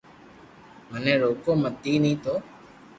مني روڪو متي نو